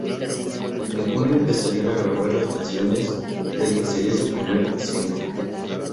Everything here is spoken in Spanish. En junio empezarían a grabar las canciones del que sería su primer single.